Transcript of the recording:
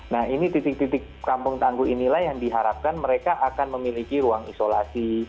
nah ini titik titik kampung tangguh inilah yang diharapkan mereka akan memiliki ruang isolasi